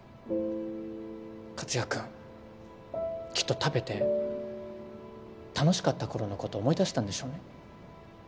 克哉君きっと食べて楽しかった頃のことを思い出したんでしょうね。